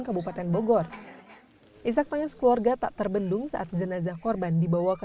kabupaten bogor isak tangis keluarga tak terbendung saat jenazah korban dibawa ke